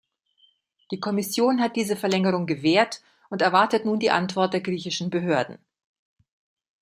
Die Kommission hat diese Verlängerung gewährt und erwartet nun die Antwort der griechischen Behörden.